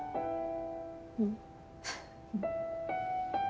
うん。